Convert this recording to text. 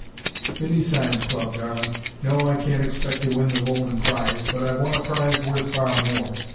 "The Nescience Club, darling. No, I can't expect to win the Woolman prize, but I've won a prize worth far more."